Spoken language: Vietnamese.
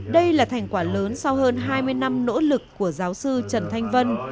đây là thành quả lớn sau hơn hai mươi năm nỗ lực của giáo sư trần thanh vân